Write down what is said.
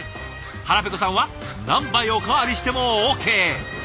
腹ペコさんは何杯おかわりしてもＯＫ。